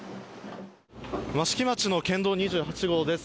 益城町の県道２８号です。